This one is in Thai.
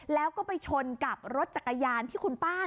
แล้วก็ไปชนกับรถจักรยานที่คุณป้า